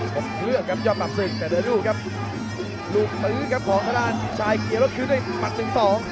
ขวาของยาบราศึก